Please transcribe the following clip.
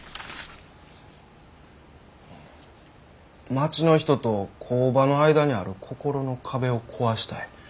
「町の人と工場の間にある心の壁を壊したい」。